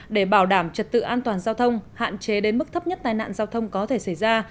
để bảo đảm trật tự an toàn giao thông hạn chế đến mức thấp nhất tai nạn giao thông có thể xảy ra